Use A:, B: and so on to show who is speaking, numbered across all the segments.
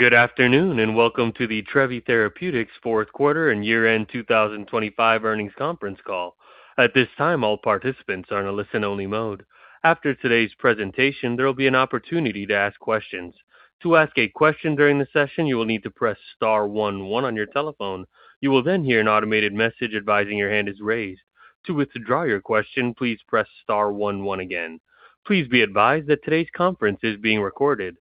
A: Good afternoon, and welcome to the Trevi Therapeutics Fourth Quarter and Year-End 2025 Earnings Conference Call. At this time, all participants are in a listen-only mode. After today's presentation, there will be an opportunity to ask questions. To ask a question during the session, you will need to press star one one on your telephone. You will then hear an automated message advising your hand is raised. To withdraw your question, please press star one one again. Please be advised that today's conference is being recorded.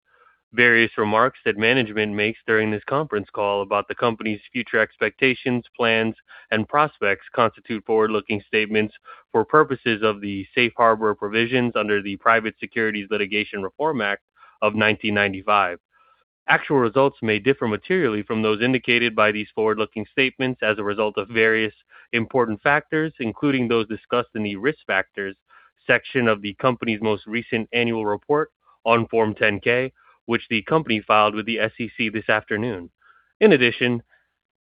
A: Various remarks that management makes during this conference call about the company's future expectations, plans, and prospects constitute forward-looking statements for purposes of the safe harbor provisions under the Private Securities Litigation Reform Act of 1995. Actual results may differ materially from those indicated by these forward-looking statements as a result of various important factors, including those discussed in the Risk Factors section of the company's most recent annual report on Form 10-K, which the company filed with the SEC this afternoon. In addition,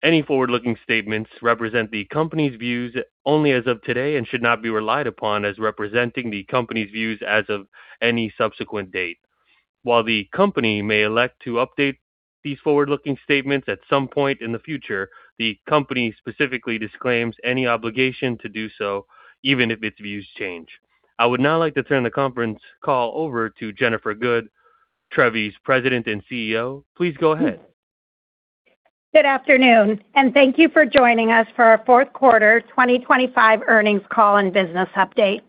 A: any forward-looking statements represent the company's views only as of today and should not be relied upon as representing the company's views as of any subsequent date. While the company may elect to update these forward-looking statements at some point in the future, the company specifically disclaims any obligation to do so even if its views change. I would now like to turn the conference call over to Jennifer Good, Trevi's President and CEO. Please go ahead.
B: Good afternoon, and thank you for joining us for our fourth quarter 2025 earnings call and business update.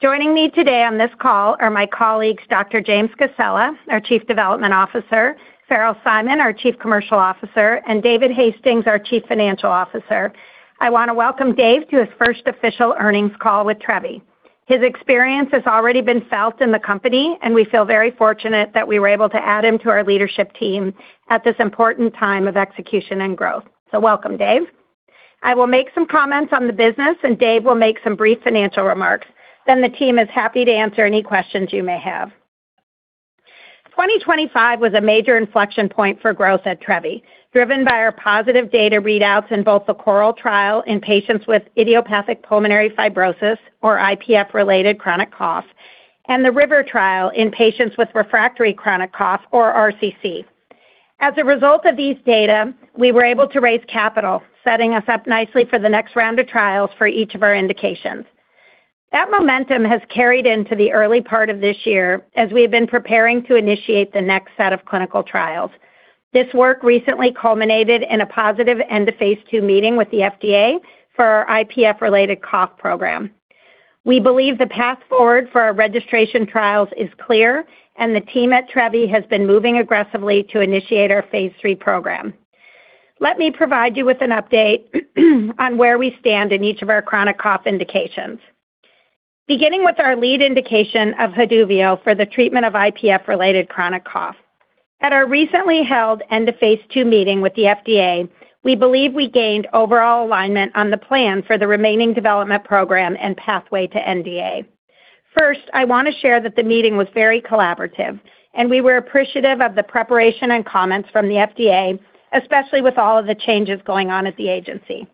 B: Joining me today on this call are my colleagues, Dr. James Cassella, our Chief Development Officer, Farrell Simon, our Chief Commercial Officer, and David Hastings, our Chief Financial Officer. I want to welcome Dave to his first official earnings call with Trevi. His experience has already been felt in the company, and we feel very fortunate that we were able to add him to our leadership team at this important time of execution and growth. Welcome, Dave. I will make some comments on the business, and Dave will make some brief financial remarks. The team is happy to answer any questions you may have. 2025 was a major inflection point for growth at Trevi, driven by our positive data readouts in both the CORAL trial in patients with idiopathic pulmonary fibrosis or IPF-related chronic cough and the RIVER trial in patients with refractory chronic cough or RCC. As a result of these data, we were able to raise capital, setting us up nicely for the next round of trials for each of our indications. That momentum has carried into the early part of this year as we have been preparing to initiate the next set of clinical trials. This work recently culminated in a positive end-of-phase II meeting with the FDA for our IPF-related cough program. We believe the path forward for our registration trials is clear, and the team at Trevi has been moving aggressively to initiate our phase III program. Let me provide you with an update on where we stand in each of our chronic cough indications. Beginning with our lead indication of Haduvio for the treatment of IPF-related chronic cough. At our recently held end-of-phase II meeting with the FDA, we believe we gained overall alignment on the plan for the remaining development program and pathway to NDA. First, I want to share that the meeting was very collaborative, and we were appreciative of the preparation and comments from the FDA, especially with all of the changes going on at the agency.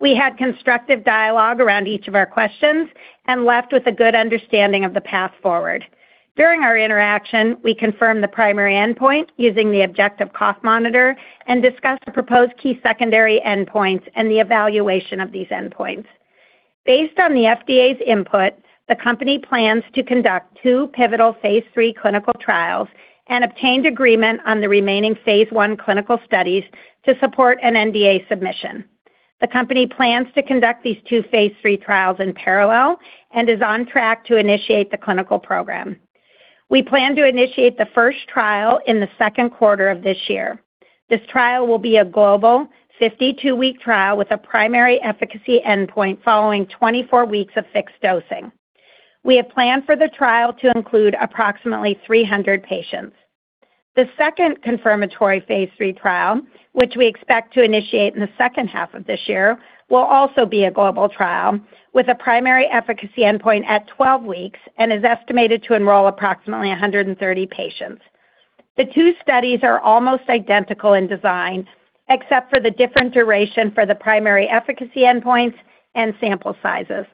B: We had constructive dialogue around each of our questions and left with a good understanding of the path forward. During our interaction, we confirmed the primary endpoint using the objective cough monitor and discussed the proposed key secondary endpoints and the evaluation of these endpoints. Based on the FDA's input, the company plans to conduct two pivotal phase III clinical trials and obtained agreement on the remaining phase I clinical studies to support an NDA submission. The company plans to conduct these two phase III trials in parallel and is on track to initiate the clinical program. We plan to initiate the first trial in the second quarter of this year. This trial will be a global 52-week trial with a primary efficacy endpoint following 24 weeks of fixed dosing. We have planned for the trial to include approximately 300 patients. The second confirmatory phase III trial, which we expect to initiate in the second half of this year, will also be a global trial with a primary efficacy endpoint at 12 weeks and is estimated to enroll approximately 130 patients. The two studies are almost identical in design, except for the different duration for the primary efficacy endpoints and sample sizes.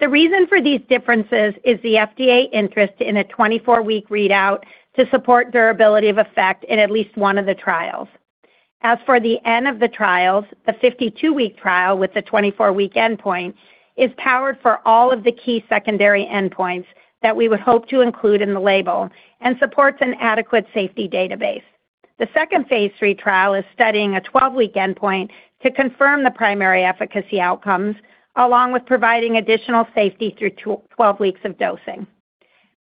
B: The reason for these differences is the FDA interest in a 24-week readout to support durability of effect in at least one of the trials. As for the N of the trials, the 52-week trial with the 24-week endpoint is powered for all of the key secondary endpoints that we would hope to include in the label and supports an adequate safety database. The second phase III trial is studying a 12-week endpoint to confirm the primary efficacy outcomes, along with providing additional safety through 12 weeks of dosing.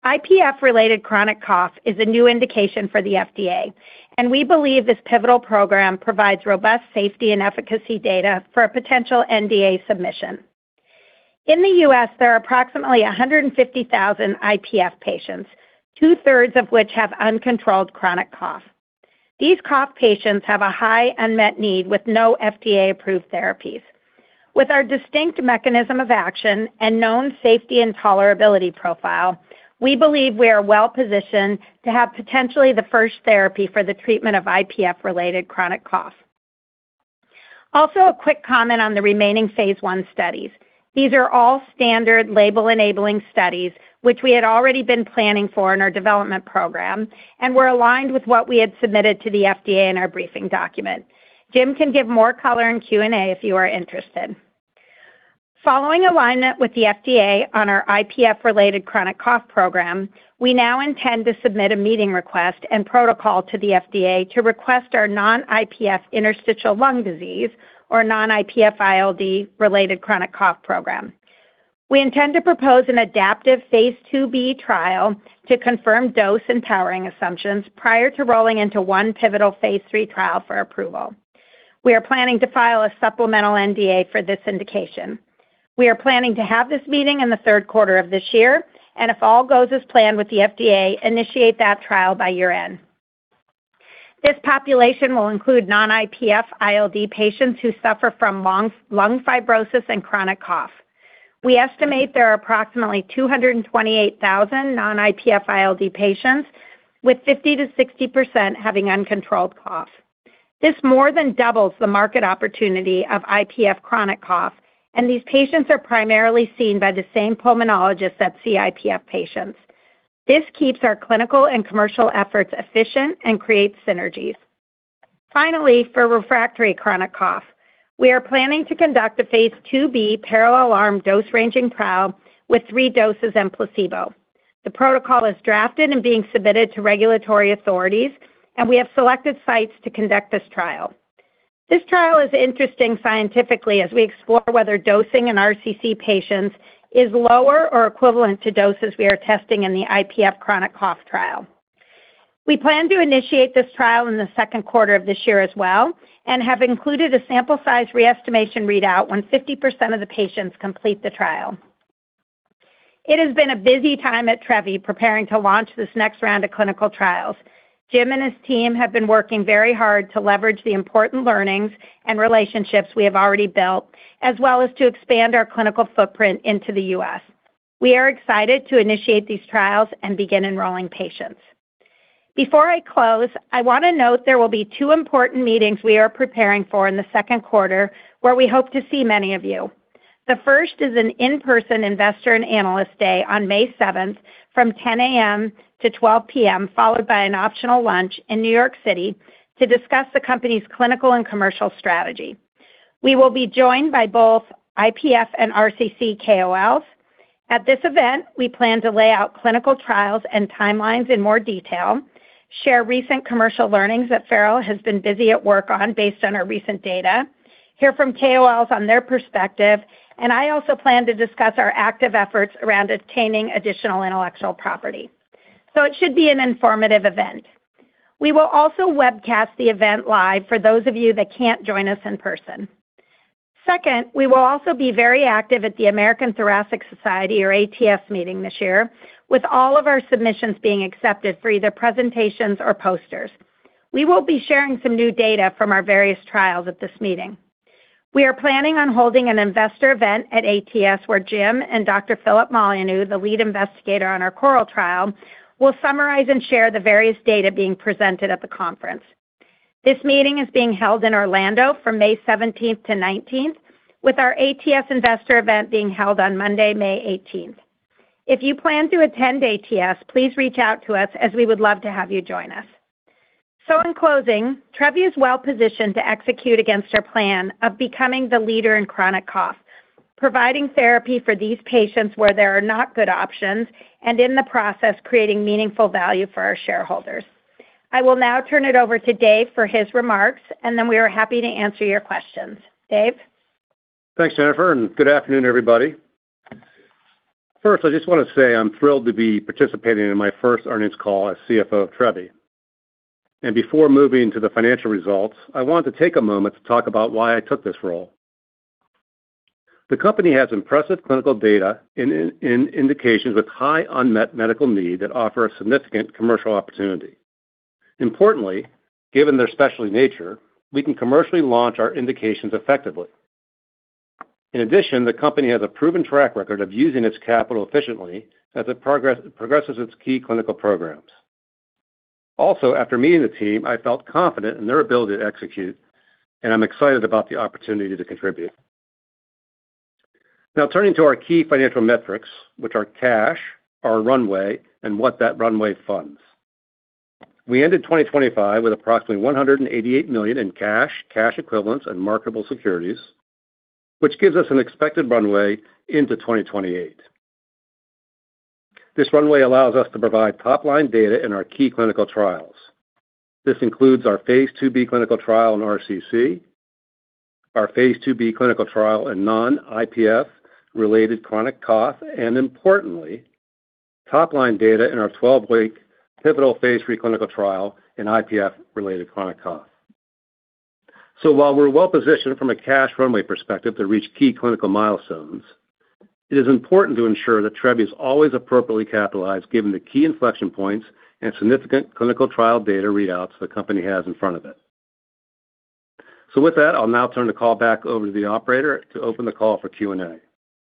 B: IPF-related chronic cough is a new indication for the FDA, and we believe this pivotal program provides robust safety and efficacy data for a potential NDA submission. In the U.S., there are approximately 150,000 IPF patients, 2/3 of which have uncontrolled chronic cough. These cough patients have a high unmet need with no FDA-approved therapies. With our distinct mechanism of action and known safety and tolerability profile, we believe we are well-positioned to have potentially the first therapy for the treatment of IPF-related chronic cough. Also, a quick comment on the remaining phase I studies. These are all standard label-enabling studies which we had already been planning for in our development program and were aligned with what we had submitted to the FDA in our briefing document. Jim can give more color in Q&A if you are interested. Following alignment with the FDA on our IPF-related chronic cough program, we now intend to submit a meeting request and protocol to the FDA to request our non-IPF interstitial lung disease or non-IPF ILD related chronic cough program. We intend to propose an adaptive phase IIb trial to confirm dose and powering assumptions prior to rolling into one pivotal phase III trial for approval. We are planning to file a supplemental NDA for this indication. We are planning to have this meeting in the third quarter of this year, and if all goes as planned with the FDA, initiate that trial by year-end. This population will include non-IPF ILD patients who suffer from lung fibrosis and chronic cough. We estimate there are approximately 228,000 non-IPF ILD patients, with 50%-60% having uncontrolled cough. This more than doubles the market opportunity of IPF chronic cough, and these patients are primarily seen by the same pulmonologists that see IPF patients. This keeps our clinical and commercial efforts efficient and creates synergies. Finally, for refractory chronic cough, we are planning to conduct a phase IIb parallel arm dose-ranging trial with three doses and placebo. The protocol is drafted and being submitted to regulatory authorities, and we have selected sites to conduct this trial. This trial is interesting scientifically as we explore whether dosing in RCC patients is lower or equivalent to doses we are testing in the IPF chronic cough trial. We plan to initiate this trial in the second quarter of this year as well and have included a sample size re-estimation readout when 50% of the patients complete the trial. It has been a busy time at Trevi preparing to launch this next round of clinical trials. Jim and his team have been working very hard to leverage the important learnings and relationships we have already built, as well as to expand our clinical footprint into the U.S. We are excited to initiate these trials and begin enrolling patients. Before I close, I want to note there will be two important meetings we are preparing for in the second quarter, where we hope to see many of you. The first is an in-person Investor and Analyst Day on May 7th from 10:00 A.M. to 12:00 P.M., followed by an optional lunch in New York City to discuss the company's clinical and commercial strategy. We will be joined by both IPF and RCC KOLs. At this event, we plan to lay out clinical trials and timelines in more detail, share recent commercial learnings that Farrell has been busy at work on based on our recent data, hear from KOLs on their perspective, and I also plan to discuss our active efforts around obtaining additional intellectual property. It should be an informative event. We will also webcast the event live for those of you that can't join us in person. Second, we will also be very active at the American Thoracic Society, or ATS, meeting this year, with all of our submissions being accepted for either presentations or posters. We will be sharing some new data from our various trials at this meeting. We are planning on holding an investor event at ATS, where Jim and Dr. Philip Molyneaux, the lead investigator on our CORAL trial, will summarize and share the various data being presented at the conference. This meeting is being held in Orlando from May 17th to 19th, with our ATS investor event being held on Monday, May 18th. If you plan to attend ATS, please reach out to us, as we would love to have you join us. In closing, Trevi is well-positioned to execute against our plan of becoming the leader in chronic cough, providing therapy for these patients where there are not good options, and in the process, creating meaningful value for our shareholders. I will now turn it over to Dave for his remarks, and then we are happy to answer your questions. Dave?
C: Thanks, Jennifer, and good afternoon, everybody. First, I just want to say I'm thrilled to be participating in my first earnings call as CFO of Trevi. Before moving to the financial results, I want to take a moment to talk about why I took this role. The company has impressive clinical data in indications with high unmet medical need that offer a significant commercial opportunity. Importantly, given their specialty nature, we can commercially launch our indications effectively. In addition, the company has a proven track record of using its capital efficiently as it progresses its key clinical programs. Also, after meeting the team, I felt confident in their ability to execute, and I'm excited about the opportunity to contribute. Now turning to our key financial metrics, which are cash, our runway, and what that runway funds. We ended 2025 with approximately $188 million in cash equivalents, and marketable securities, which gives us an expected runway into 2028. This runway allows us to provide top-line data in our key clinical trials. This includes our phase IIb clinical trial in RCC, our phase IIb clinical trial in non-IPF related chronic cough, and importantly, top-line data in our 12-week pivotal phase III clinical trial in IPF-related chronic cough. While we're well-positioned from a cash runway perspective to reach key clinical milestones, it is important to ensure that Trevi is always appropriately capitalized given the key inflection points and significant clinical trial data readouts the company has in front of it. With that, I'll now turn the call back over to the operator to open the call for Q&A.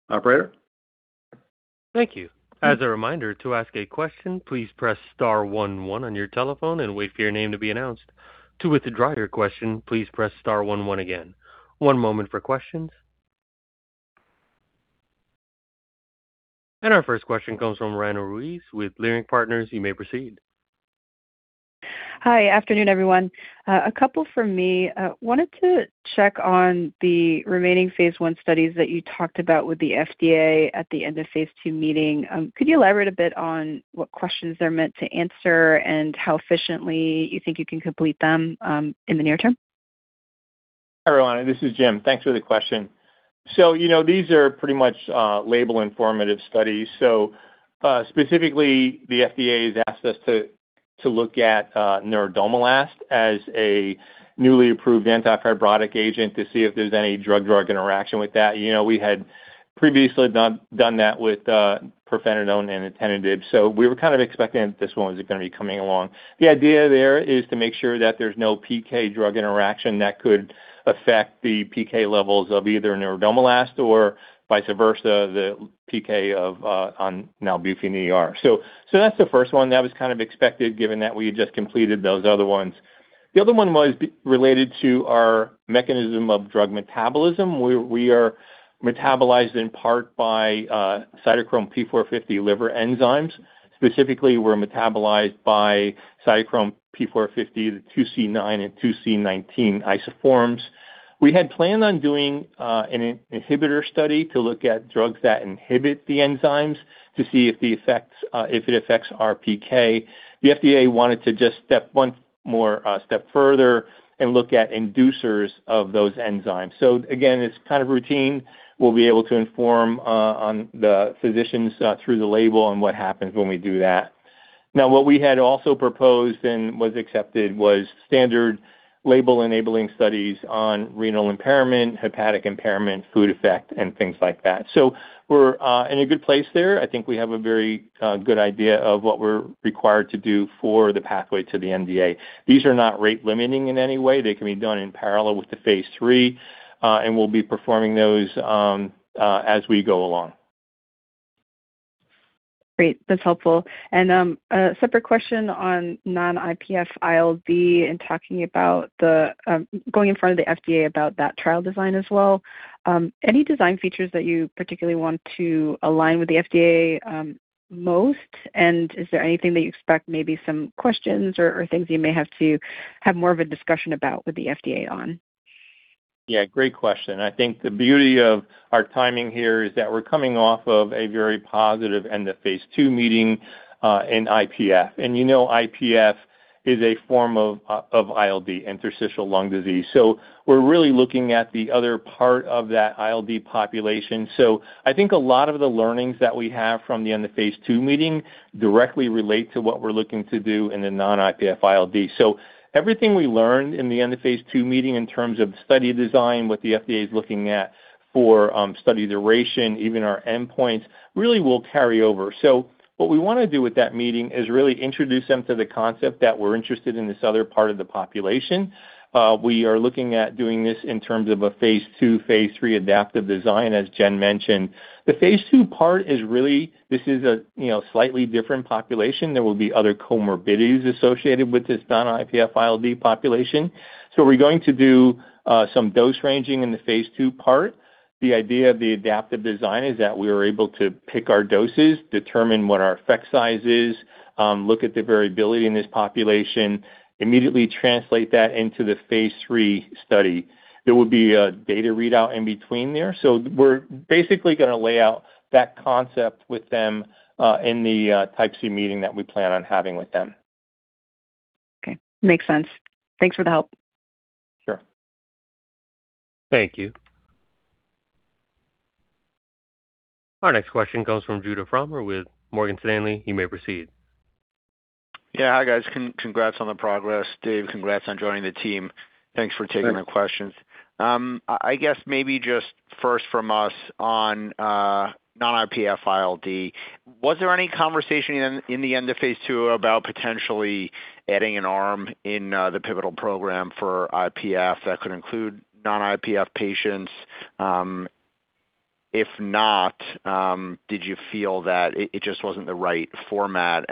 C: Operator?
A: Thank you. As a reminder, to ask a question, please press star one one on your telephone and wait for your name to be announced. To withdraw your question, please press star one one again. One moment for questions. Our first question comes from Roanna Ruiz with Leerink Partners. You may proceed.
D: Hi. Afternoon, everyone. A couple from me. Wanted to check on the remaining phase I studies that you talked about with the FDA at the end-of-phase II meeting. Could you elaborate a bit on what questions they're meant to answer and how efficiently you think you can complete them, in the near term?
E: Hi, Rhonda. This is Jim. Thanks for the question. You know, these are pretty much label informative studies. Specifically, the FDA has asked us to look at Nerandomilast as a newly approved anti-fibrotic agent to see if there's any drug-drug interaction with that. You know, we had previously done that with pirfenidone and nintedanib, so we were kind of expecting that this one was gonna be coming along. The idea there is to make sure that there's no PK drug interaction that could affect the PK levels of either nerandomilast or vice versa, the PK of Nalbuphine ER. That's the first one that was kind of expected given that we had just completed those other ones. The other one was related to our mechanism of drug metabolism, where we are metabolized in part by Cytochrome P450 liver enzymes. Specifically, we're metabolized by Cytochrome P450, the 2C9 and 2C19 isoforms. We had planned on doing an inhibitor study to look at drugs that inhibit the enzymes to see if the effects if it affects our PK. The FDA wanted to just step one more step further and look at inducers of those enzymes. Again, it's kind of routine. We'll be able to inform on the physicians through the label and what happens when we do that. Now, what we had also proposed and was accepted was standard label-enabling studies on renal impairment, hepatic impairment, food effect, and things like that. We're in a good place there. I think we have a very good idea of what we're required to do for the pathway to the NDA. These are not rate-limiting in any way. They can be done in parallel with the phase III, and we'll be performing those as we go along.
D: Great. That's helpful. A separate question on non-IPF ILD and talking about the going in front of the FDA about that trial design as well. Any design features that you particularly want to align with the FDA most? Is there anything that you expect, maybe some questions or things you may have to have more of a discussion about with the FDA on?
E: Yeah, great question. I think the beauty of our timing here is that we're coming off of a very positive end of phase II meeting in IPF. You know, IPF is a form of ILD, interstitial lung disease. We're really looking at the other part of that ILD population. I think a lot of the learnings that we have from the end of phase II meeting directly relate to what we're looking to do in a non-IPF ILD. Everything we learned in the end of phase II meeting in terms of study design, what the FDA is looking at for study duration, even our endpoints really will carry over. What we wanna do with that meeting is really introduce them to the concept that we're interested in this other part of the population. We are looking at doing this in terms of a phase II, phase III adaptive design, as Jen mentioned. The phase II part is really this is a, you know, slightly different population. There will be other comorbidities associated with this non-IPF ILD population. We're going to do some dose ranging in the phase II part. The idea of the adaptive design is that we are able to pick our doses, determine what our effect size is, look at the variability in this population, immediately translate that into the phase III study. There will be a data readout in between there. We're basically gonna lay out that concept with them in the type two meeting that we plan on having with them.
D: Okay. Makes sense. Thanks for the help.
E: Sure.
A: Thank you. Our next question comes from Judah Frommer with Morgan Stanley. You may proceed.
F: Yeah. Hi, guys. Congrats on the progress. Dave, congrats on joining the team.
C: Thanks.
F: Thanks for taking the questions. I guess maybe just first from us on non-IPF ILD. Was there any conversation in the end of phase II about potentially adding an arm in the pivotal program for IPF that could include non-IPF patients? If not, did you feel that it just wasn't the right format?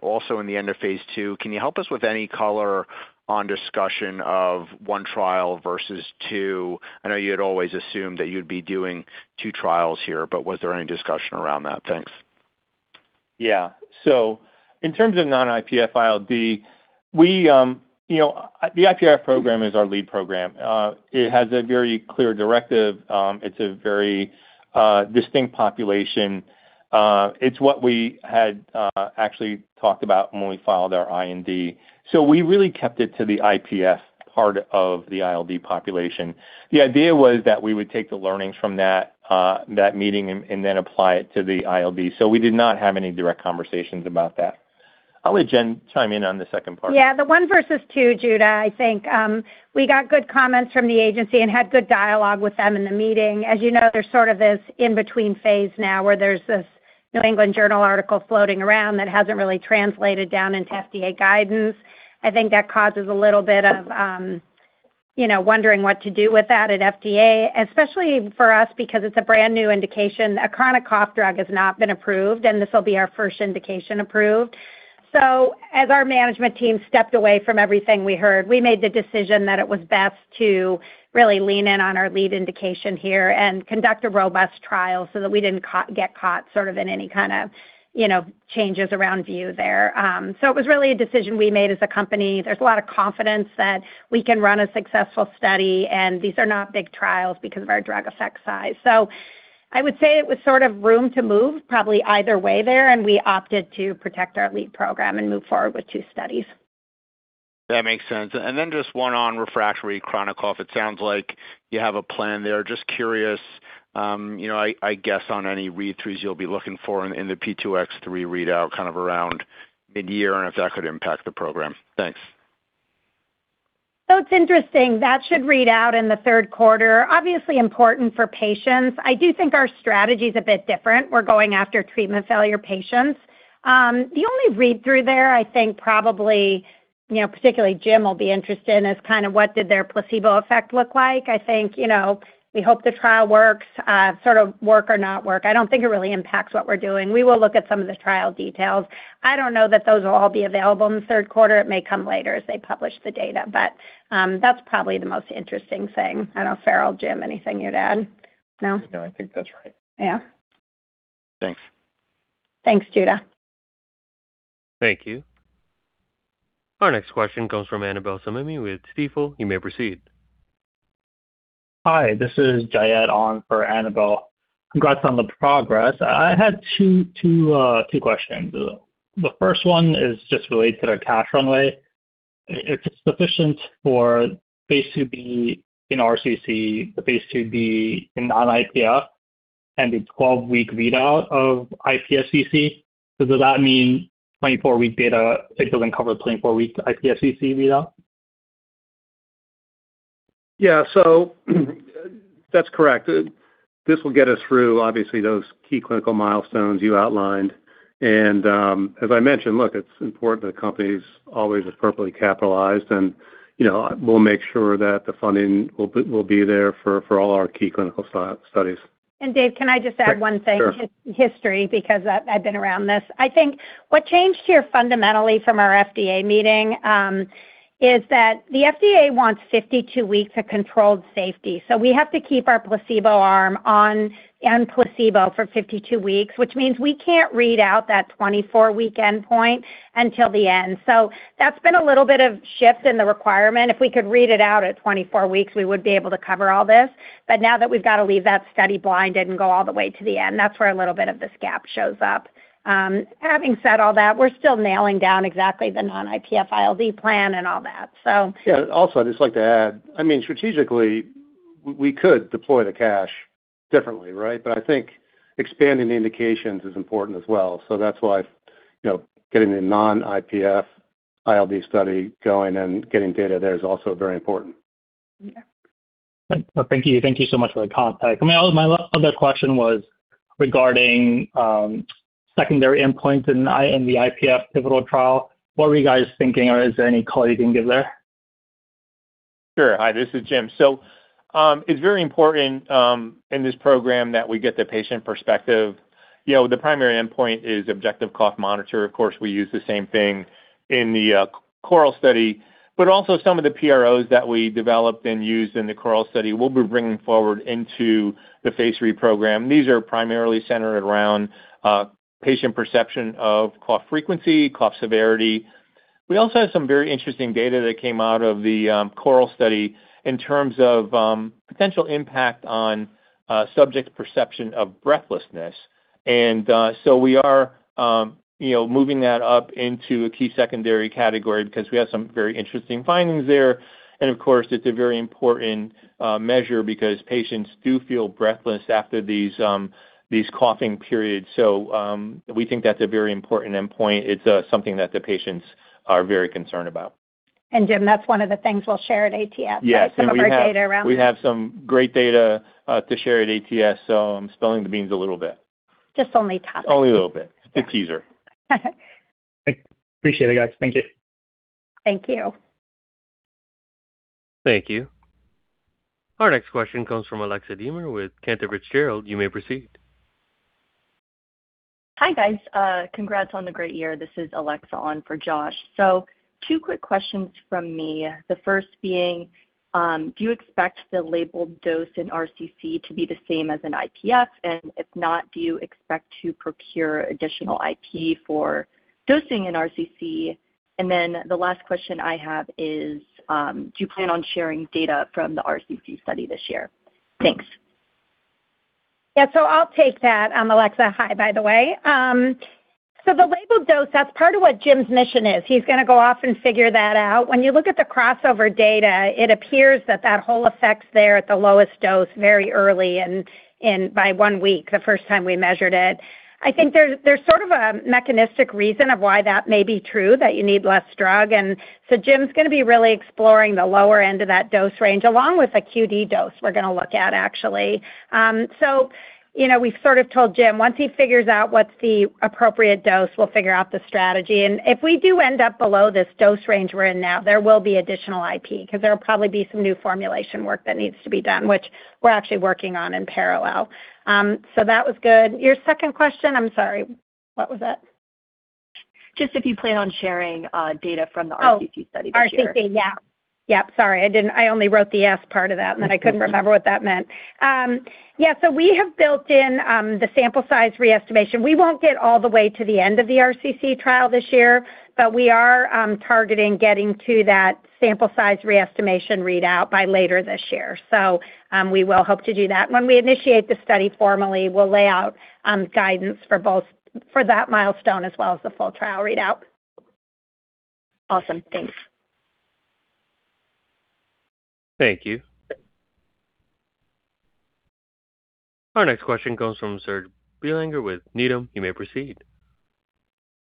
F: Also in the end of phase II, can you help us with any color on discussion of one trial versus two? I know you had always assumed that you'd be doing two trials here, but was there any discussion around that? Thanks.
C: Yeah. In terms of non-IPF ILD, we, you know, the IPF program is our lead program. It has a very clear directive. It's a very distinct population. It's what we had actually talked about when we filed our IND. We really kept it to the IPF part of the ILD population. The idea was that we would take the learnings from that meeting and then apply it to the ILD. We did not have any direct conversations about that. I'll let Jen chime in on the second part.
B: Yeah. The one versus two, Judah, I think we got good comments from the agency and had good dialogue with them in the meeting. As you know, there's sort of this in-between phase now where there's this New England Journal article floating around that hasn't really translated down into FDA guidance. I think that causes a little bit of you know, wondering what to do with that at FDA, especially for us because it's a brand new indication. A chronic cough drug has not been approved, and this will be our first indication approved. As our management team stepped away from everything we heard, we made the decision that it was best to really lean in on our lead indication here and conduct a robust trial so that we didn't get caught sort of in any kind of you know, changes around view there. It was really a decision we made as a company. There's a lot of confidence that we can run a successful study, and these are not big trials because of our drug effect size. I would say it was sort of room to move probably either way there, and we opted to protect our lead program and move forward with two studies.
F: That makes sense. Just one on refractory chronic cough. It sounds like you have a plan there. Just curious, you know, I guess on any read-throughs you'll be looking for in the P2X3 readout kind of around midyear and if that could impact the program. Thanks.
B: It's interesting. That should read out in the third quarter. Obviously important for patients. I do think our strategy is a bit different. We're going after treatment failure patients. The only read-through there I think probably, you know, particularly Jim will be interested in is kind of what did their placebo effect look like. I think, you know, we hope the trial works or not work. I don't think it really impacts what we're doing. We will look at some of the trial details. I don't know that those will all be available in the third quarter. It may come later as they publish the data. That's probably the most interesting thing. I don't know, Farrell, Jim, anything you'd add? No?
E: No, I think that's right.
B: Yeah.
F: Thanks.
B: Thanks, Judah.
A: Thank you. Our next question comes from Annabel Samimy with Stifel. You may proceed.
G: Hi, this is Jayed on for Annabel. Congrats on the progress. I had two questions. The first one is just related to cash runway. If it's sufficient for phase IIb in RCC, the phase IIb in non-IPF and the 12-week readout of IPF-CC. Does that mean 24-week data, it doesn't cover the 24-week IPF-CC readout?
C: Yeah. That's correct. This will get us through, obviously, those key clinical milestones you outlined. As I mentioned, look, it's important that companies always is appropriately capitalized, and, you know, we'll make sure that the funding will be there for all our key clinical studies.
B: Dave, can I just add one thing?
C: Sure.
B: History, because I've been around this. I think what changed here fundamentally from our FDA meeting is that the FDA wants 52 weeks of controlled safety. We have to keep our placebo arm on and placebo for 52 weeks, which means we can't read out that 24-week endpoint until the end. That's been a little bit of shift in the requirement. If we could read it out at 24 weeks, we would be able to cover all this. But now that we've got to leave that study blinded and go all the way to the end, that's where a little bit of this gap shows up. Having said all that, we're still nailing down exactly the non-IPF ILD plan and all that.
C: Yeah. Also, I'd just like to add, I mean, strategically, we could deploy the cash differently, right? I think expanding the indications is important as well. That's why, you know, getting the non-IPF ILD study going and getting data there is also very important.
B: Yeah.
G: Thank you. Thank you so much for the comment. My other question was regarding secondary endpoints in the IPF pivotal trial. What were you guys thinking or is there any color you can give there?
E: Sure. Hi, this is Jim. It's very important in this program that we get the patient perspective. You know, the primary endpoint is objective cough monitor. Of course, we use the same thing in the CORAL study, but also some of the PROs that we developed and used in the CORAL study, we'll be bringing forward into the phase III program. These are primarily centered around patient perception of cough frequency, cough severity. We also have some very interesting data that came out of the CORAL study in terms of potential impact on subject perception of breathlessness. We are you know moving that up into a key secondary category because we have some very interesting findings there. Of course, it's a very important measure because patients do feel breathless after these coughing periods. We think that's a very important endpoint. It's something that the patients are very concerned about.
B: Jim, that's one of the things we'll share at ATS.
E: Yes. We have-
B: Some of our data around.
E: We have some great data to share at ATS, so I'm spilling the beans a little bit.
B: Just only top.
E: Only a little bit.
B: Yeah.
E: It's a teaser.
G: Appreciate it, guys. Thank you.
B: Thank you.
A: Thank you. Our next question comes from Alexa Deemer with Cantor Fitzgerald. You may proceed.
H: Hi, guys. Congrats on the great year. This is Alexa on for Josh. Two quick questions from me. The first being, do you expect the labeled dose in RCC to be the same as an IPF? And if not, do you expect to procure additional IP for dosing in RCC? Then the last question I have is, do you plan on sharing data from the RCC study this year? Thanks.
B: Yeah. I'll take that. Alexa, hi, by the way. The label dose, that's part of what Jim's mission is. He's gonna go off and figure that out. When you look at the crossover data, it appears that that whole effect there at the lowest dose very early and by one week, the first time we measured it. I think there's sort of a mechanistic reason of why that may be true that you need less drug. Jim's gonna be really exploring the lower end of that dose range along with a QD dose we're gonna look at actually. You know, we've sort of told Jim once he figures out what's the appropriate dose, we'll figure out the strategy. If we do end up below this dose range we're in now, there will be additional IP, 'cause there will probably be some new formulation work that needs to be done, which we're actually working on in parallel. That was good. Your second question, I'm sorry, what was it?
H: Just if you plan on sharing data from the RCC study this year?
B: Oh, RCC, yeah. Yep, sorry. I only wrote the S part of that, and then I couldn't remember what that meant. Yeah, we have built in the sample size re-estimation. We won't get all the way to the end of the RCC trial this year, but we are targeting getting to that sample size re-estimation readout by later this year. We will hope to do that. When we initiate the study formally, we'll lay out guidance for both for that milestone as well as the full trial readout.
H: Awesome. Thanks.
A: Thank you. Our next question comes from Serge Belanger with Needham. You may proceed.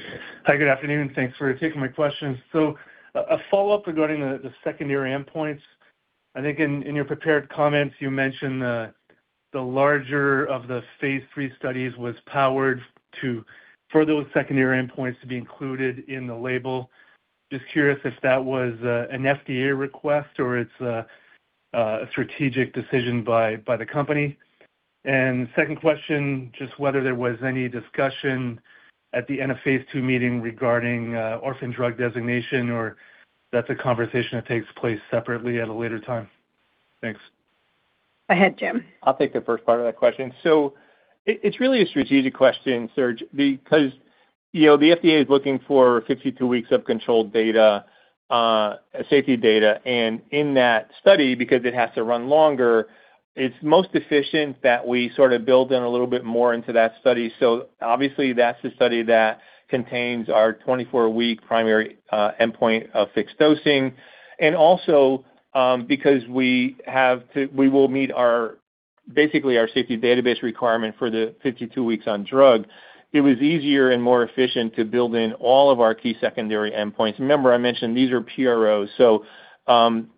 I: Hi, good afternoon, and thanks for taking my question. A follow-up regarding the secondary endpoints. I think in your prepared comments you mentioned the larger of the phase III studies was powered to for those secondary endpoints to be included in the label. Just curious if that was an FDA request or it's a strategic decision by the company. Second question, just whether there was any discussion at the end of phase II meeting regarding orphan drug designation or that's a conversation that takes place separately at a later time? Thanks.
B: Go ahead, Jim.
E: I'll take the first part of that question. It's really a strategic question, Serge, because, you know, the FDA is looking for 52 weeks of controlled data, safety data. In that study, because it has to run longer, it's most efficient that we sort of build in a little bit more into that study. Obviously that's the study that contains our 24-week primary endpoint of fixed dosing. Because we will meet our, basically our safety database requirement for the 52 weeks on drug, it was easier and more efficient to build in all of our key secondary endpoints. Remember, I mentioned these are PROs, so,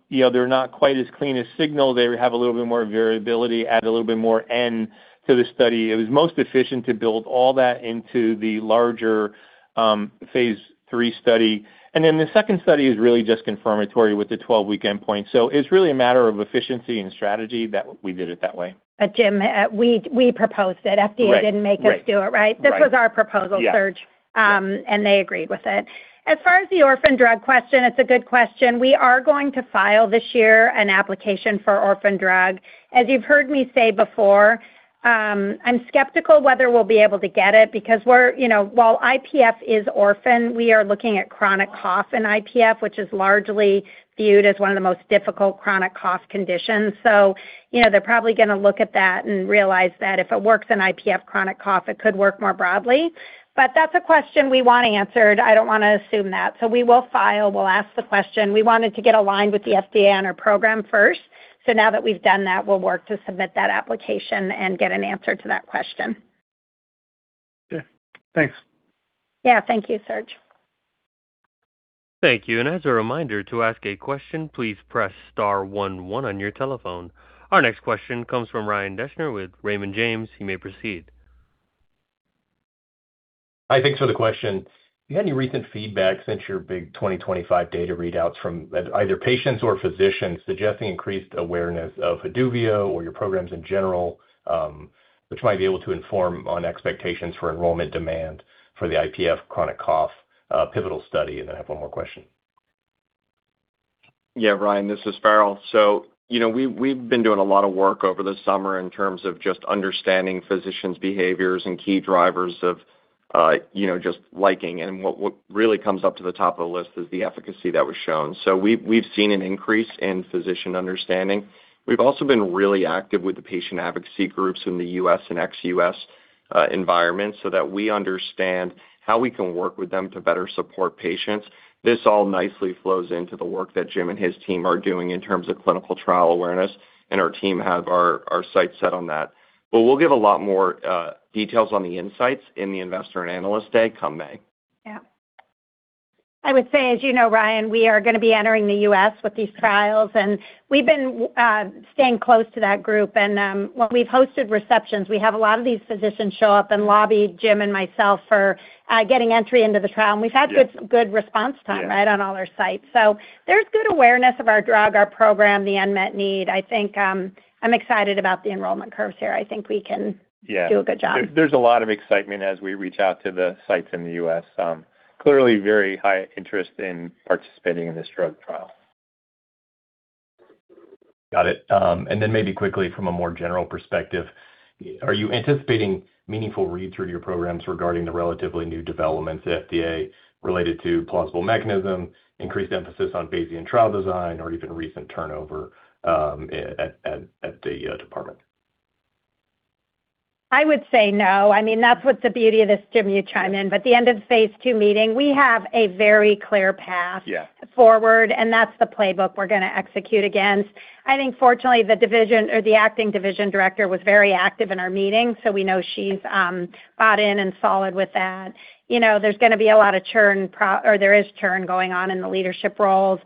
E: you know, they're not quite as clean a signal. They have a little bit more variability, add a little bit more N to the study. It was most efficient to build all that into the larger, phase III study. The second study is really just confirmatory with the 12-week endpoint. It's really a matter of efficiency and strategy that we did it that way.
B: Jim, we proposed it.
E: Right. Right.
B: FDA didn't make us do it, right?
E: Right. Yeah.
B: This was our proposal, Serge, and they agreed with it. As far as the orphan drug question, it's a good question. We are going to file this year an application for orphan drug. As you've heard me say before, I'm skeptical whether we'll be able to get it because we're, you know, while IPF is orphan, we are looking at chronic cough in IPF, which is largely viewed as one of the most difficult chronic cough conditions. So, you know, they're probably gonna look at that and realize that if it works in IPF chronic cough, it could work more broadly. But that's a question we want answered. I don't wanna assume that. So we will file. We'll ask the question. We wanted to get aligned with the FDA on our program first. now that we've done that, we'll work to submit that application and get an answer to that question.
I: Okay, thanks.
B: Yeah. Thank you, Serge.
A: Thank you. As a reminder, to ask a question, please press star one one on your telephone. Our next question comes from Ryan Deschner with Raymond James. You may proceed.
J: Hi, thanks for the question. You had any recent feedback since your big 2025 data readouts from either patients or physicians suggesting increased awareness of Haduvio or your programs in general, which might be able to inform on expectations for enrollment demand for the IPF chronic cough pivotal study? I have one more question.
K: Yeah, Ryan, this is Farrell. You know, we've been doing a lot of work over the summer in terms of just understanding physicians' behaviors and key drivers of, you know, just liking. What really comes up to the top of the list is the efficacy that was shown. We've seen an increase in physician understanding. We've also been really active with the patient advocacy groups in the U.S. and ex-U.S. environment so that we understand how we can work with them to better support patients. This all nicely flows into the work that Jim and his team are doing in terms of clinical trial awareness, and our team have our sights set on that. We'll give a lot more details on the insights in the Investor and Analyst Day come May.
B: Yeah. I would say, as you know, Ryan, we are gonna be entering the U.S. with these trials, and we've been staying close to that group. When we've hosted receptions, we have a lot of these physicians show up and lobby Jim and myself for getting entry into the trial.
E: Yeah.
B: We've had good response time, right?
E: Yeah.
B: On all our sites. There's good awareness of our drug, our program, the unmet need, I think. I'm excited about the enrollment curves here. I think we can.
E: Yeah
B: Do a good job.
E: There's a lot of excitement as we reach out to the sites in the U.S. Clearly very high interest in participating in this drug trial.
J: Got it. Maybe quickly from a more general perspective, are you anticipating meaningful readthrough to your programs regarding the relatively new developments at FDA related to plausible mechanism, increased emphasis on Bayesian trial design or even recent turnover at the department?
B: I would say no. I mean, that's what the beauty of this, Jim, you chime in, but the end of phase II meeting, we have a very clear path.
E: Yeah.
B: forward, and that's the playbook we're gonna execute against. I think fortunately, the division or the acting division director was very active in our meeting, so we know she's bought in and solid with that. You know, there's gonna be a lot of churn or there is churn going on in the leadership roles.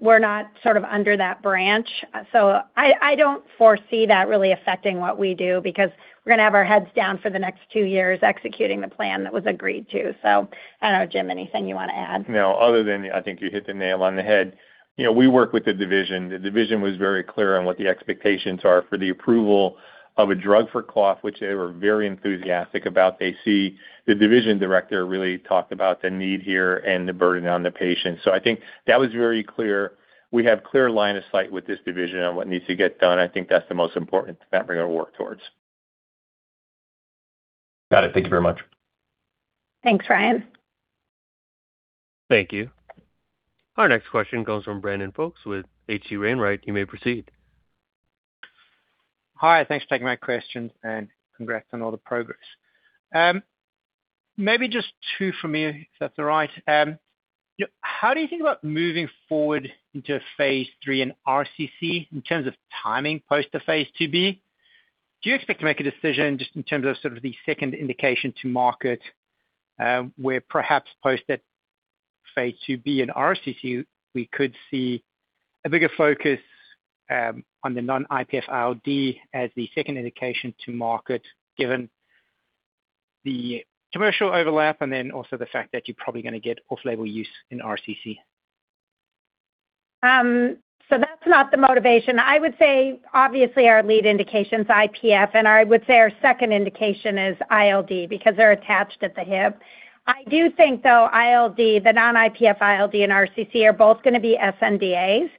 B: We're not sort of under that branch. So I don't foresee that really affecting what we do because we're gonna have our heads down for the next two years executing the plan that was agreed to. I don't know, Jim, anything you wanna add?
E: No, other than I think you hit the nail on the head. You know, we work with the division. The division was very clear on what the expectations are for the approval of a drug for cough, which they were very enthusiastic about. The division director really talked about the need here and the burden on the patient. I think that was very clear. We have clear line of sight with this division on what needs to get done. I think that's the most important thing that we're gonna work towards.
J: Got it. Thank you very much.
B: Thanks, Ryan.
A: Thank you. Our next question comes from Brandon Folkes with H.C. Wainwright. You may proceed.
L: Hi. Thanks for taking my questions, and congrats on all the progress. Maybe just two from me, if that's all right. How do you think about moving forward into phase III in RCC in terms of timing post the phase IIb? Do you expect to make a decision just in terms of sort of the second indication to market, where perhaps post that phase IIb in RCC we could see a bigger focus on the non-IPF ILD as the second indication to market given the commercial overlap and then also the fact that you're probably gonna get off-label use in RCC?
B: That's not the motivation. I would say obviously our lead indication's IPF, and I would say our second indication is ILD because they're attached at the hip. I do think, though, ILD, the non-IPF ILD and RCC are both gonna be sNDAs,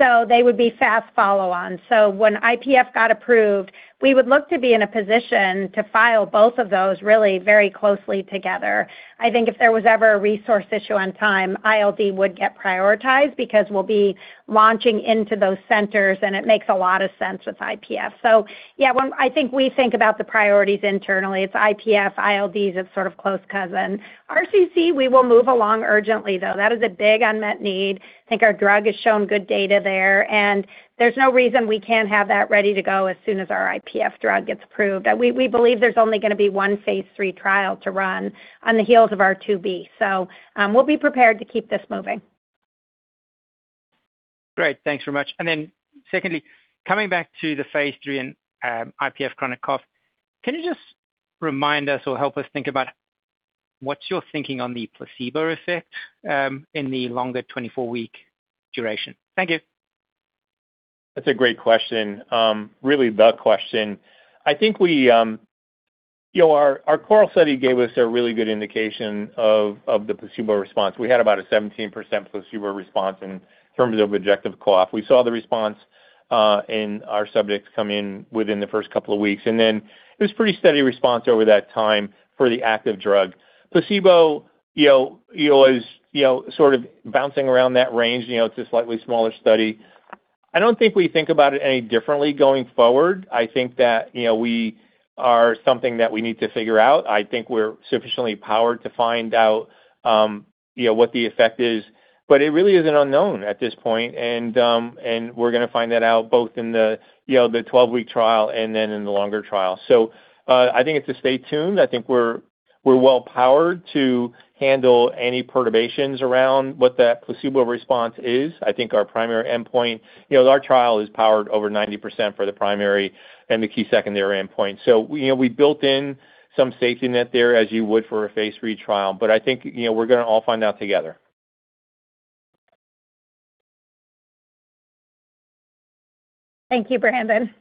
B: so they would be fast follow on. When IPF got approved, we would look to be in a position to file both of those really very closely together. I think if there was ever a resource issue on time, ILD would get prioritized because we'll be launching into those centers, and it makes a lot of sense with IPF. I think we think about the priorities internally, it's IPF, ILDs as sort of close cousin. RCC, we will move along urgently, though. That is a big unmet need. I think our drug has shown good data there, and there's no reason we can't have that ready to go as soon as our IPF drug gets approved. We believe there's only gonna be one phase III trial to run on the heels of our phase IIb. We'll be prepared to keep this moving.
L: Great. Thanks very much. Secondly, coming back to the phase III and IPF chronic cough, can you just remind us or help us think about what you're thinking on the placebo effect in the longer 24-week duration? Thank you.
E: That's a great question. I think we you know our CORAL study gave us a really good indication of the placebo response. We had about a 17% placebo response in terms of objective cough. We saw the response in our subjects come in within the first couple of weeks, and then it was pretty steady response over that time for the active drug. Placebo, you know, is sort of bouncing around that range. You know, it's a slightly smaller study. I don't think we think about it any differently going forward. I think that, you know, we are something that we need to figure out. I think we're sufficiently powered to find out, you know, what the effect is. It really is an unknown at this point and we're gonna find that out both in the, you know, the 12-week trial and then in the longer trial. I think it's a stay tuned. I think we're well powered to handle any perturbations around what that placebo response is. I think our primary endpoint. You know, our trial is powered over 90% for the primary and the key secondary endpoint. You know, we built in some safety net there as you would for a phase III trial, but I think, you know, we're gonna all find out together.
B: Thank you, Brandon.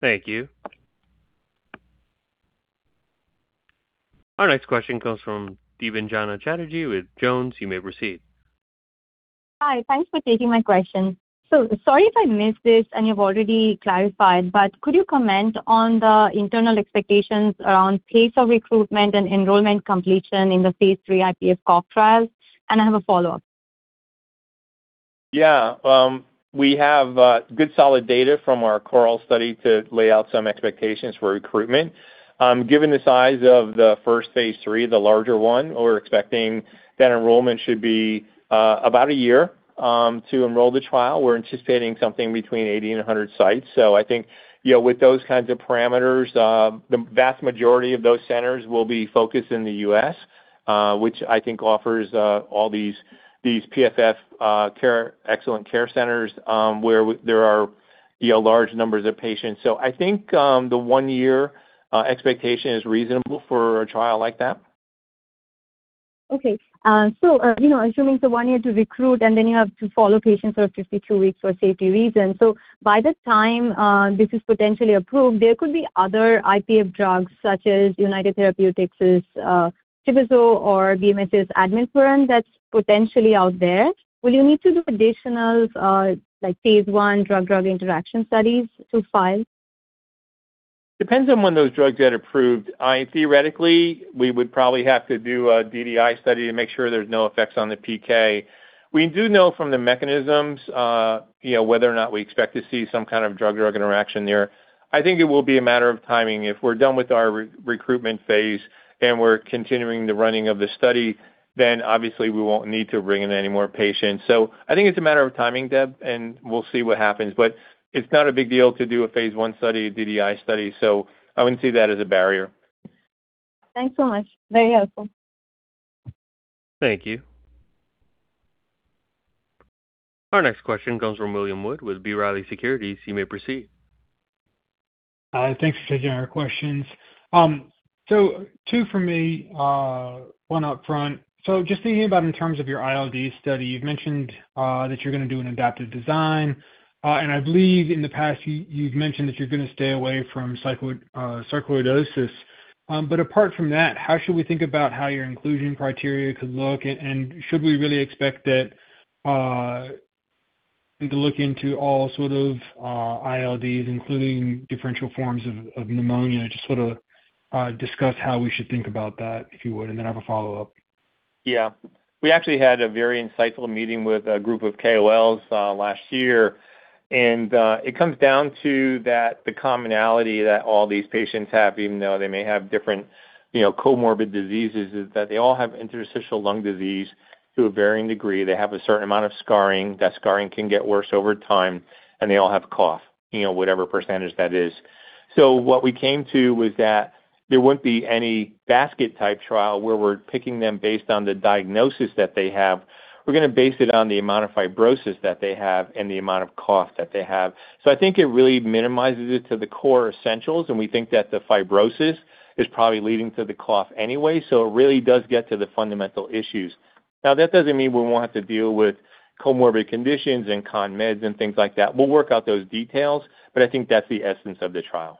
L: Thank you.
A: Our next question comes from Debanjana Chatterjee with Jones Trading. You may proceed.
M: Hi. Thanks for taking my question. Sorry if I missed this and you've already clarified, but could you comment on the internal expectations around pace of recruitment and enrollment completion in the phase III IPF cough trial? I have a follow-up.
E: Yeah. We have good solid data from our CORAL study to lay out some expectations for recruitment. Given the size of the first phase III, the larger one, we're expecting that enrollment should be about a year to enroll the trial. We're anticipating something between 80 and 100 sites. I think, you know, with those kinds of parameters, the vast majority of those centers will be focused in the U.S., which I think offers all these PFF excellent care centers, where there are, you know, large numbers of patients. I think the one-year expectation is reasonable for a trial like that.
M: Okay. You know, assuming the one year to recruit, and then you have to follow patients for 52 weeks for safety reasons. By the time this is potentially approved, there could be other IPF drugs such as United Therapeutics's pirfenidone or BMS's N-acetylcysteine that's potentially out there. Will you need to do additional, like phase I drug-drug interaction studies to file?
E: Depends on when those drugs get approved. I theoretically, we would probably have to do a DDI study to make sure there's no effects on the PK. We do know from the mechanisms, you know, whether or not we expect to see some kind of drug-drug interaction there. I think it will be a matter of timing. If we're done with our recruitment phase and we're continuing the running of the study, then obviously we won't need to bring in any more patients. I think it's a matter of timing, Deb, and we'll see what happens. It's not a big deal to do a phase I study, a DDI study, so I wouldn't see that as a barrier.
M: Thanks so much. Very helpful.
E: Thank you.
A: Our next question comes from William Wood with B. Riley Securities. You may proceed.
N: Thanks for taking our questions. Two for me, one up front. Just thinking about in terms of your ILD study, you've mentioned that you're gonna do an adaptive design, and I believe in the past you've mentioned that you're gonna stay away from sarcoidosis. Apart from that, how should we think about how your inclusion criteria could look, and should we really expect that to look into all sort of ILDs, including different forms of pneumonia? Just sort of discuss how we should think about that, if you would, and then I have a follow-up.
E: Yeah. We actually had a very insightful meeting with a group of KOLs last year, and it comes down to that the commonality that all these patients have, even though they may have different, you know, comorbid diseases, is that they all have interstitial lung disease to a varying degree. They have a certain amount of scarring. That scarring can get worse over time, and they all have cough, you know, whatever percentage that is. What we came to was that there wouldn't be any basket type trial where we're picking them based on the diagnosis that they have. We're gonna base it on the amount of fibrosis that they have and the amount of cough that they have. I think it really minimizes it to the core essentials, and we think that the fibrosis is probably leading to the cough anyway, so it really does get to the fundamental issues. Now, that doesn't mean we won't have to deal with comorbid conditions and con meds and things like that. We'll work out those details, but I think that's the essence of the trial.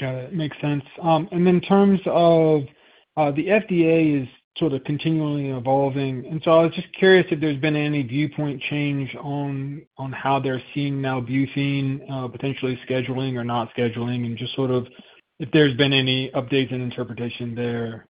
N: Got it. Makes sense. In terms of the FDA is sort of continually evolving, I was just curious if there's been any viewpoint change on how they're seeing nalbuphine potentially scheduling or not scheduling, and just sort of if there's been any updates in interpretation there.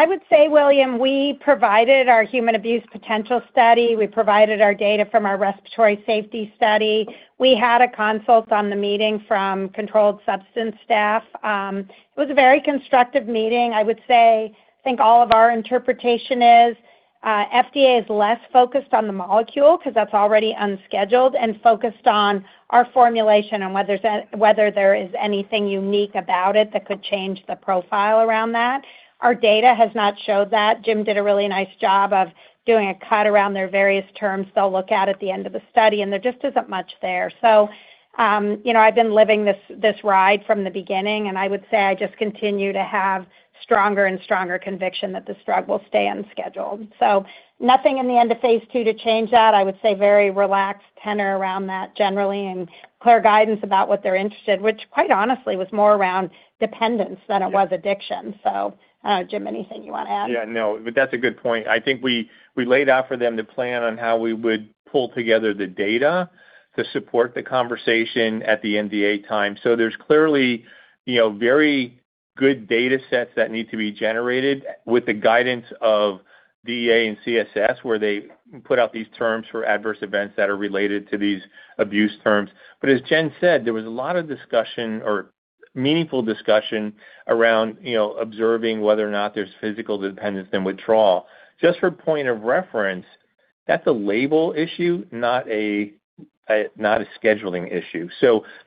B: I would say, William, we provided our human abuse potential study. We provided our data from our respiratory safety study. We had a consult on the meeting from Controlled Substance Staff. It was a very constructive meeting. I would say, I think all of our interpretation is, FDA is less focused on the molecule 'cause that's already unscheduled and focused on our formulation and whether there is anything unique about it that could change the profile around that. Our data has not showed that. Jim did a really nice job of doing a cut around their various terms they'll look at at the end of the study, and there just isn't much there. You know, I've been living this ride from the beginning, and I would say I just continue to have stronger and stronger conviction that the drug will stay unscheduled. Nothing in the end of phase II to change that. I would say very relaxed tenor around that generally and clear guidance about what they're interested, which quite honestly was more around dependence than it was addiction. Jim, anything you want to add?
E: Yeah, no, that's a good point. I think we laid out for them the plan on how we would pull together the data to support the conversation at the NDA time. There's clearly, you know, very good data sets that need to be generated with the guidance of DEA and CSS, where they put out these terms for adverse events that are related to these abuse terms. As Jen said, there was a lot of discussion or meaningful discussion around, you know, observing whether or not there's physical dependence then withdrawal. Just for point of reference, that's a label issue, not a scheduling issue.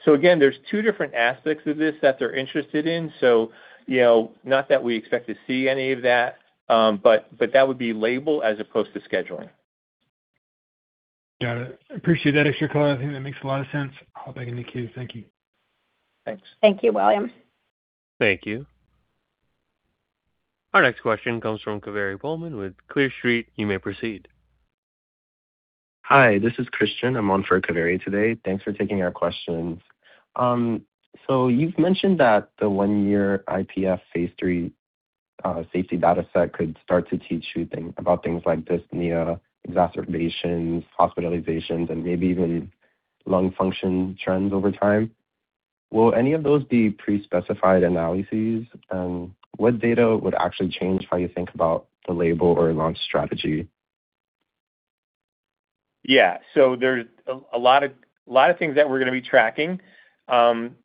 E: Again, there's two different aspects of this that they're interested in. You know, not that we expect to see any of that, but that would be label as opposed to scheduling.
N: Got it. Appreciate that extra color. I think that makes a lot of sense. I'll beg and in queue. Thank you.
E: Thanks.
B: Thank you, William.
A: Thank you. Our next question comes from Kaveri Pohlman with Clear Street. You may proceed.
O: Hi, this is Christian. I'm on for Kaveri today. Thanks for taking our questions. You've mentioned that the one-year IPF phase III safety data set could start to teach you about things like dyspnea, exacerbations, hospitalizations, and maybe even lung function trends over time. Will any of those be pre-specified analyses? And what data would actually change how you think about the label or launch strategy?
E: Yeah. There's a lot of things that we're gonna be tracking.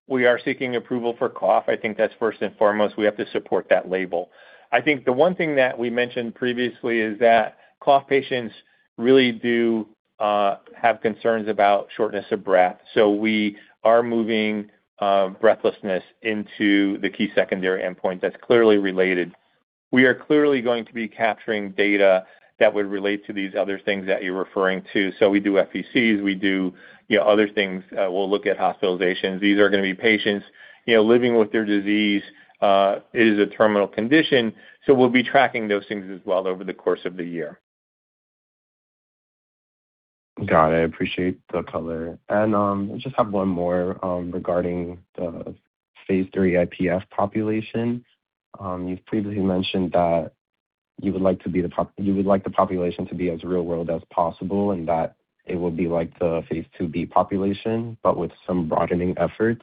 E: We are seeking approval for cough. I think that's first and foremost. We have to support that label. I think the one thing that we mentioned previously is that cough patients really do have concerns about shortness of breath, so we are moving breathlessness into the key secondary endpoint that's clearly related. We are clearly going to be capturing data that would relate to these other things that you're referring to. We do FVCs, we do, you know, other things. We'll look at hospitalizations. These are gonna be patients, you know, living with their disease. It is a terminal condition, so we'll be tracking those things as well over the course of the year.
O: Got it. Appreciate the color. I just have one more regarding the phase III IPF population. You've previously mentioned that you would like the population to be as real-world as possible and that it will be like the phase IIb population, but with some broadening efforts.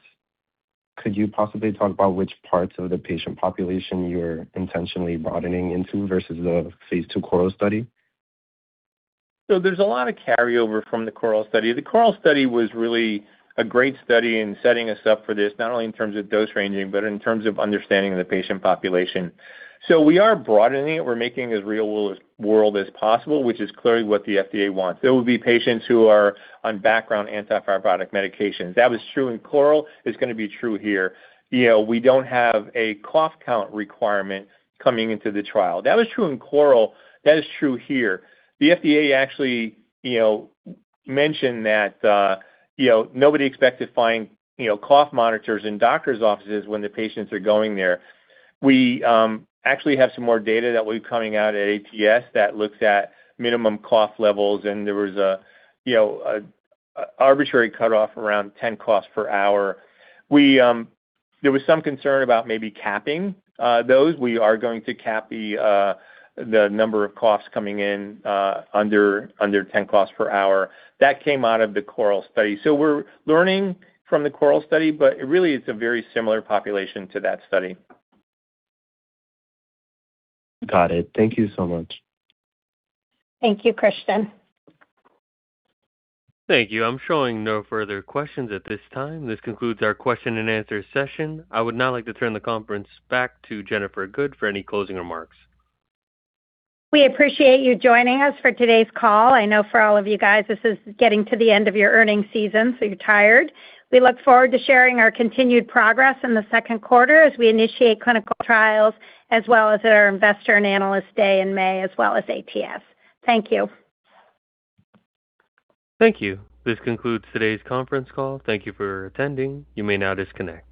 O: Could you possibly talk about which parts of the patient population you're intentionally broadening into versus the phase II CORAL study?
E: There's a lot of carryover from the CORAL study. The CORAL study was really a great study in setting us up for this, not only in terms of dose ranging, but in terms of understanding the patient population. We are broadening it. We're making it as real-world as possible, which is clearly what the FDA wants. There will be patients who are on background anti-fibrotic medications. That was true in CORAL. It's gonna be true here. You know, we don't have a cough count requirement coming into the trial. That was true in CORAL. That is true here. The FDA actually, you know, mentioned that, you know, nobody expects to find, you know, cough monitors in doctor's offices when the patients are going there. We actually have some more data that will be coming out at ATS that looks at minimum cough levels, and there was a you know an arbitrary cutoff around 10 coughs per hour. There was some concern about maybe capping those. We are going to cap the number of coughs coming in under 10 coughs per hour. That came out of the CORAL study. We're learning from the CORAL study, but it really is a very similar population to that study.
O: Got it. Thank you so much.
B: Thank you, Christian.
A: Thank you. I'm showing no further questions at this time. This concludes our question and answer session. I would now like to turn the conference back to Jennifer Good for any closing remarks.
B: We appreciate you joining us for today's call. I know for all of you guys, this is getting to the end of your earnings season, so you're tired. We look forward to sharing our continued progress in the second quarter as we initiate clinical trials, as well as at our Investor and Analyst Day in May, as well as ATS. Thank you.
A: Thank you. This concludes today's conference call. Thank you for attending. You may now disconnect.